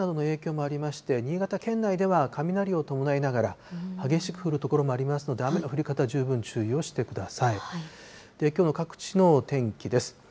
きょうは上空の寒気などの影響もありまして、新潟県内では雷を伴いながら激しく降る所もありますので、雨の降り方、十分注意をしてください。